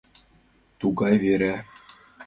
Тугай вера...